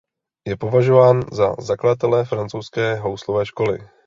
Je považován za zakladatele francouzské houslové školy.